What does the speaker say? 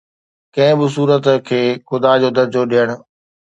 ڪنهن به صورت کي خدا جو درجو ڏيڻ